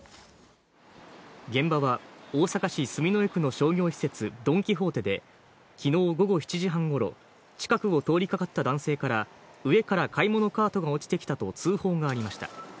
現場は大阪市住之江区の商業施設ドン・キホーテで、昨日午後７時半頃、近くを通りかかった男性から、上から買い物カートが落ちてきたと通報がありました。